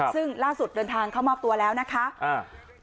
ซึ่งล่าสุดเดินทางเข้ามอบตัวแล้วนะคะอ่า